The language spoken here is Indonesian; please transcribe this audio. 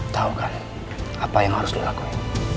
tahu kan apa yang harus dilakukan